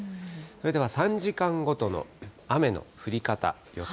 それでは３時間ごとの雨の降り方、予想